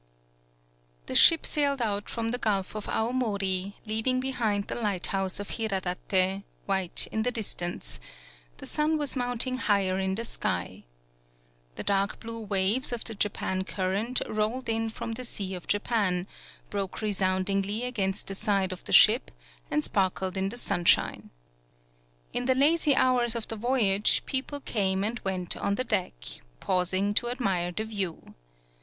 The ship sailed out from the gulf of Awomori, leaving behind the lighthouse of Hiradate, white in the distance; the sun was mounting higher in tKe sky. The dark blue waves of the Japan cur 141 PAULOWNIA rent rolled in from the Sea of Japan, broke resoundingly against the side of the ship, and sparkled in the sunshine. In the lazy hours of the voyage, people came and went on the deck, pausing to admire the view.